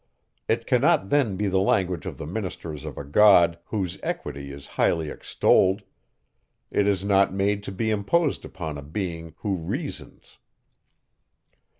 It cannot then be the language of the ministers of a God, whose equity is highly extolled; it is not made to be imposed upon a being, who reasons.